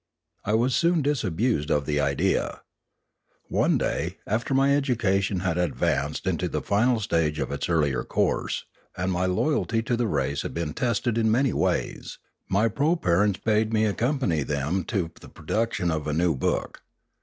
I was soon disabused of the idea. One day, after my education had advanced into the final stage of its earlier course, and my loyalty to the race had been tested in many ways, my proparents bade me accompany them to the production of a new book.